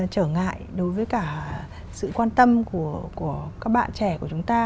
trở ngại đối với cả sự quan tâm của các bạn trẻ của chúng ta